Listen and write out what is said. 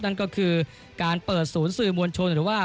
นั่นก็คือการเปิดศูนย์สื่อมวลชนหรือว่า